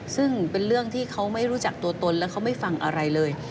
ซึ่งเป็นเรื่องที่เขาไม่รู้จักตัวตนแล้วเขาไม่ฟังอะไรเลย